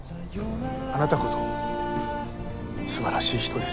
あなたこそ素晴らしい人です。